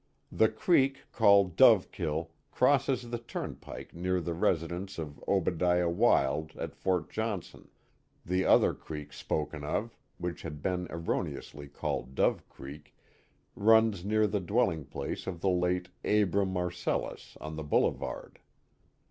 The creek called Dove Kill crosses the turnpike near the residence of Obediah Wilde at Fort Johnson, the other creek spoken of (which had been erroneously called Dove Creek) runs near the dwelling place of the late Abram Marcellus on the Boulevard.